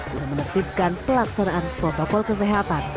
untuk menutupkan pelaksanaan protokol kesehatan